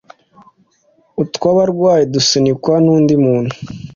utwabarwayi dusunikwa n’undi muntu